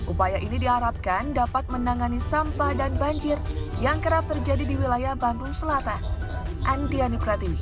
upaya ini diharapkan dapat menangani sampah dan banjir yang kerap terjadi di wilayah bandung selatan